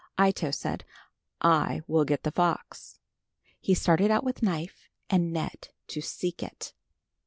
Ito said, "I will get the fox." He started out with knife and net to seek it.